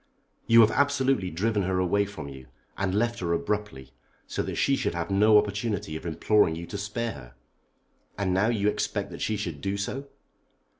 "You have absolutely driven her away from you, and left her abruptly, so that she should have no opportunity of imploring you to spare her. And now you expect that she should do so?"